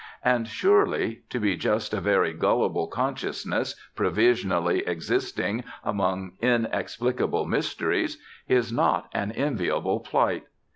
And surely, to be just a very gullible consciousness provisionally existing among inexplicable mysteries, is not an enviable plight.